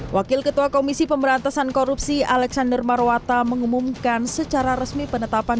wakil ketua komisi pemberantasan korupsi alexander marwata mengumumkan secara resmi penetapan